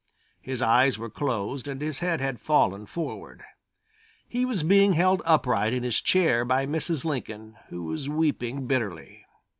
His eyes were closed and his head had fallen forward. He was being held upright in his chair by Mrs. Lincoln, who was weeping bitterly.